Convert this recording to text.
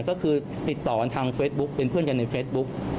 ก็คือติดต่อกันทางเฟซบุ๊กเป็นเพื่อนกันในเฟซบุ๊ก